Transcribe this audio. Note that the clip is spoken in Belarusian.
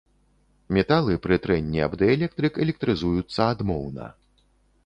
Металы пры трэнні аб дыэлектрык электрызуюцца адмоўна.